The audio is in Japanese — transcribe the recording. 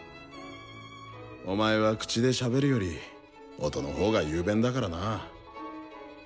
お前は口でしゃべるより音のほうが雄弁だからなぁ。